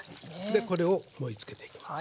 でこれを盛りつけていきます。